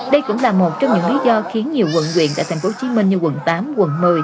đây cũng là một trong những lý do khiến nhiều quận quyện tại tp hcm như quận tám quận một mươi